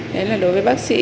đấy là đối với bác sĩ